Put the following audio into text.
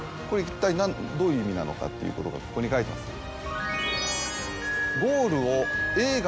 これ一体どういう意味なのかっていうことがここに書いてます。